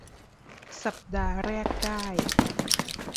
สัปดาห์แรกได้